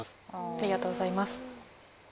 ありがとうございます